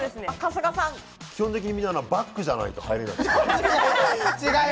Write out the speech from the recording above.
基本的にみんなバックじゃないと入れない。